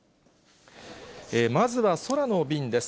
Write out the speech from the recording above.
まずは空の便です。